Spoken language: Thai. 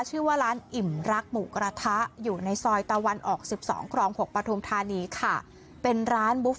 ชื่อว่าร้านอิ่มรักหมูกระทะอยู่ในซอยตะวันออก๑๒กรอง๖ปฐมธานีค่ะ